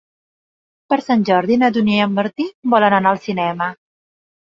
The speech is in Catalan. Per Sant Jordi na Dúnia i en Martí volen anar al cinema.